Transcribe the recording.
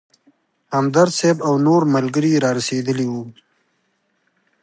همدرد صیب او نور ملګري رارسېدلي وو.